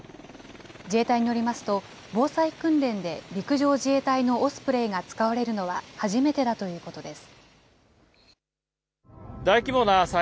自衛隊によりますと、防災訓練で陸上自衛隊のオスプレイが使われるのは初めてだということです。